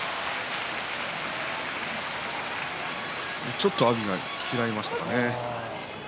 ちょっと阿炎が嫌いましたかね。